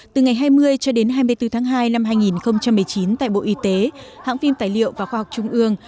từ ngày hai mươi cho đến hai mươi bốn tháng hai năm hai nghìn một mươi chín tại bộ y tế hãng phim tài liệu và khoa học trung ương